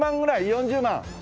４０万？